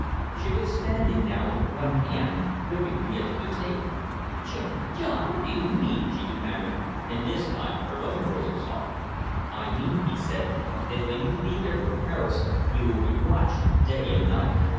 She was standing now, with one hand gripping the edge of the table. "John! ... John! ... What do you mean?" she demanded, and this time her own voice was hard. "I mean," he said, "that when you leave here for Paris you will be watched day and night.